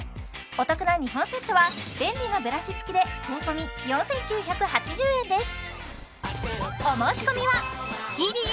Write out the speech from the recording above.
お得な２本セットは便利なブラシ付きで税込４９８０円です